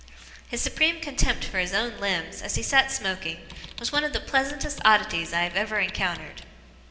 His supreme contempt for his own limbs, as he sat smoking, was one of the pleasantest oddities I have ever encountered.